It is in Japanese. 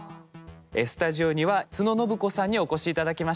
スタジオには都野展子さんにお越し頂きました。